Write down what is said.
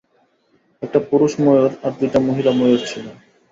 একটা পুরুষ ময়ূর আর দুইটি মহিলা ময়ূর ছিল।